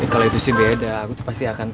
eh kalau itu sih beda aku tuh pasti akan